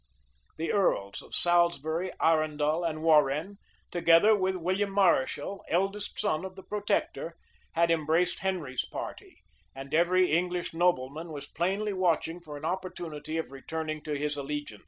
The earls of Salisbury Arundel, and Warrenne, together with William Mareschal, eldest son of the protector, had embraced Henry's party; and every English nobleman was plainly watching for an opportunity of returning to his allegiance.